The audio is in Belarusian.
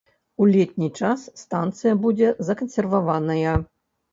У летні час станцыя будзе закансерваваная.